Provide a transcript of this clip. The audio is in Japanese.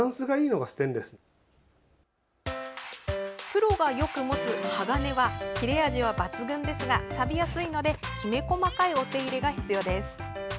プロがよく持つ鋼は切れ味は抜群ですがさびやすいのできめ細かいお手入れが必要です。